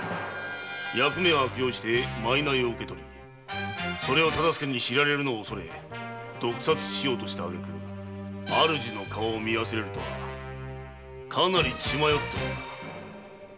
役目を悪用してワイロを受け取りそれを大岡に知られるを恐れ毒殺しようとしたあげく主の顔を見忘れるとはかなり血迷ったな。